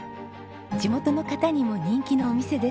地元の方にも人気のお店です。